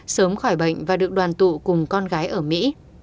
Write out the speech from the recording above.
sớm khỏi bệnh và được đoàn tụ cùng con gái ở mỹ